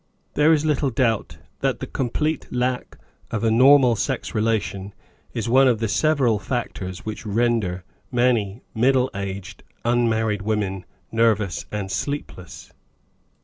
There is little doubt that the complete lack of a normal sex relation is one of the several factors which render many middle aged unmarried women nervous and sleepless.